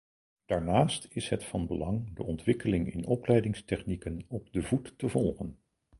Daarnaast is het van belang de ontwikkeling in opleidingstechnieken op de voet te volgen.